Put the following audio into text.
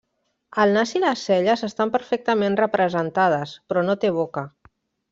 El nas i les celles estan perfectament representades, però no té boca.